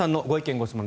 ・ご質問